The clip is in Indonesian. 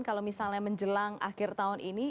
kalau misalnya menjelang akhir tahun ini